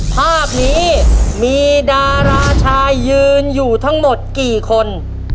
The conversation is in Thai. ภาพนี้มีดาราชายยืนอยู่ทั้งหมดกี่คน